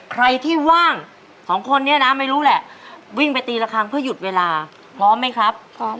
ใครที่ว่างสองคนนี้นะไม่รู้แหละวิ่งไปตีละครั้งเพื่อหยุดเวลาพร้อมไหมครับพร้อม